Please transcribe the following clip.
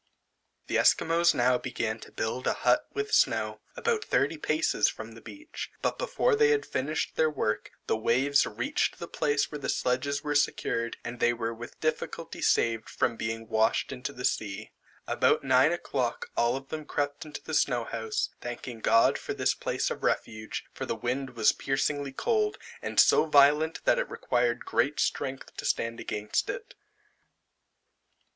The Esquimaux now began to build a hut with snow, about thirty paces from the beach, but before they had finished their work, the waves reached the place where the sledges were secured, and they were with difficulty saved from being washed into the sea. About nine o'clock all of them crept into the snow house, thanking God for this place of refuge; for the wind was piercingly cold, and so violent, that it required great strength to stand against it.